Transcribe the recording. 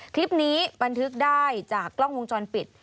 คลิปนี้บันทึกได้จากกล้องวงจรปิด